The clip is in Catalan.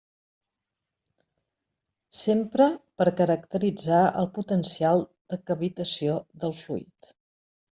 S'empra per caracteritzar el potencial de cavitació del fluid.